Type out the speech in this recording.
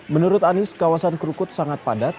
menurut anies kawasan krukut sangat padat